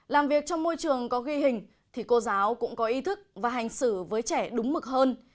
làm việc trong môi trường có ghi hình thì cô giáo cũng có ý thức và hành xử với trẻ đúng mực hơn